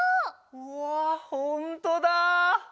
うわほんとだ！